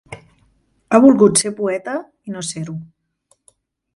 Ha volgut ser poeta i no ser-ho.